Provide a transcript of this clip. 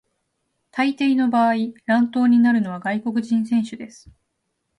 大抵の場合、乱闘になるのは外国人選手です。